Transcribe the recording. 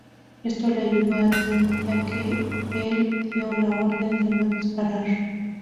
Esto le ayudó a Timmy ya que el dio la orden de no disparar.